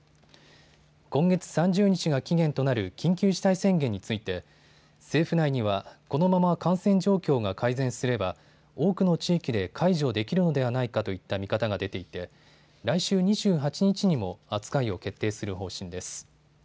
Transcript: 今月３０日が期限となる緊急事態宣言について政府内には、このまま感染状況が改善すれば多くの地域で解除できるのではないかといった見方が出ていて来週２８日にも扱いを決定する方針です。